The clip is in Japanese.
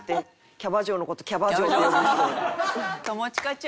キャバ嬢の事を“キャバ嬢”って呼ぶ人」